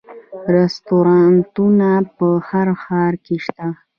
رستورانتونه په هر ښار کې شته